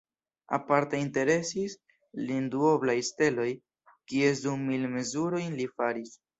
Aparte interesis lin duoblaj steloj, kies du mil mezurojn li faris.